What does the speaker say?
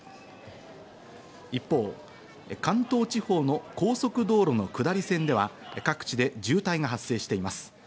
一方、関東地方の高速道路の下り線では、各地で渋滞が発生しています。